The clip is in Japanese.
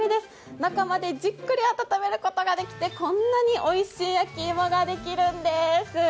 中までじっくり温めることができてこんなにおいしい焼き芋ができるんです。